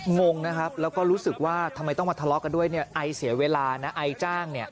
งงนะครับแล้วก็รู้สึกว่าทำไมต้องมาทะเลาะกันด้วยเนี่ยไอเสียเวลานะไอจ้างเนี่ย